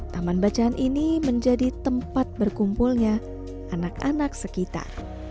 taman bacaan ini menjadi tempat berkumpulnya anak anak sekitar